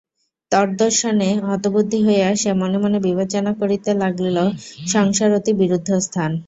তদ্দর্শনে হতবুদ্ধি হইয়া সে মনে মনে বিবেচনা করিতে লাগিল সংসার অতি বিরুদ্ধ স্থান।